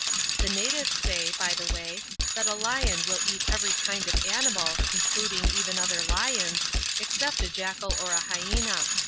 The natives say, by the way, that a lion will eat every kind of animal including even other lions except a jackal or a hyena.